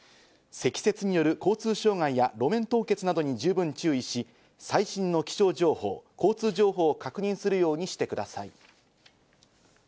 積雪による交通障害や路面凍結などに十分注意し、最新の気象情報を交通情報を確認するようにしてください。